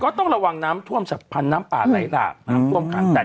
ก็ต้องระวังน้ำท่วมสักพันธุ์น้ำป่าไหลราบอืม